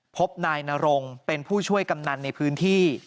พบนายนรงเป็นผู้ช่วยกำนันในพื้นที่